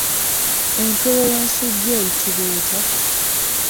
Entobo y'ensujju eyitibwa etya?